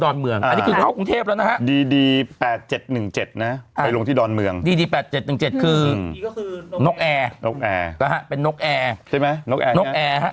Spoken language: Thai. ดอนเมืองอันนี้คือเรากรุงเทพแล้วนะฮะดีดี๘๗๑๗นะไปลงที่ดอนเมืองดีดี๘๗๑๗คือนกแอร์นกแอร์นะฮะเป็นนกแอร์ใช่ไหม